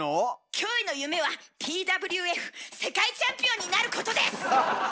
キョエの夢はＰＷＦ世界チャンピオンになることです！